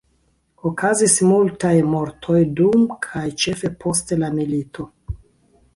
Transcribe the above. Okazis multaj mortoj dum kaj ĉefe post la milito.